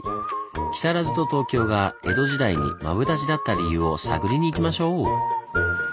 木更津と東京が江戸時代にマブダチだった理由を探りにいきましょう！